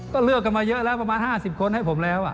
ก็เลือกกันมาเยอะแล้วประมาณ๕๐คนให้ผมแล้ว